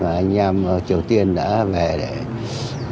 còn giúp đỡ việt nam cả về vật lực